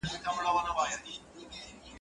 څه چي په دېگ کي وي، په ملاغه کي راوزي.